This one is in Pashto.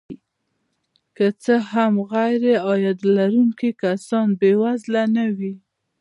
که څه هم غیرعاید لرونکي کسان بې وزله نه وي